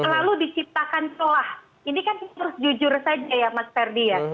lalu diciptakan celah ini kan terus jujur saja ya mas herdy ya